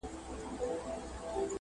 o زور چي زورور سي، عقل مرور سي٫